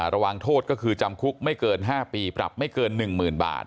ระวังโทษก็คือจำคุกไม่เกิน๕ปีปรับไม่เกิน๑๐๐๐บาท